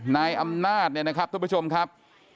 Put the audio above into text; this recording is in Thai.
นายอำนาจเนี่ยนะครับทุกผู้ชมครับ